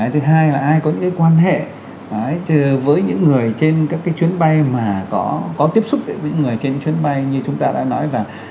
thứ hai là ai có những quan hệ với những người trên các chuyến bay mà có tiếp xúc với người trên chuyến bay như chúng ta đã nói là